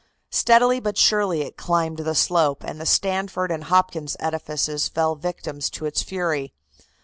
Steadily but surely it climbed the slope, and the Stanford and Hopkins edifices fell victims to its fury.